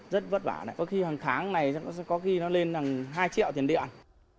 rất vất vả này có khi hàng tháng này có khi nó lên hai triệu tiền điện